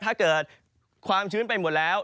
ถ้าเกิดความชื้นไปหมดแล้ว